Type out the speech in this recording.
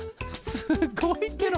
すごいケロ！